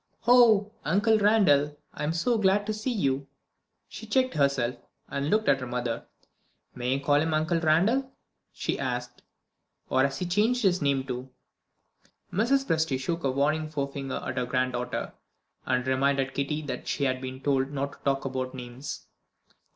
"Oh, Uncle Randal, I'm so glad to see you!" She checked herself, and looked at her mother. "May I call him Uncle Randal?" she asked. "Or has he changed his name, too?" Mrs. Presty shook a warning forefinger at her granddaughter, and reminded Kitty that she had been told not to talk about names.